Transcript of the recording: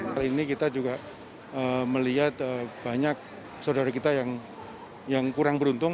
kali ini kita juga melihat banyak saudara kita yang kurang beruntung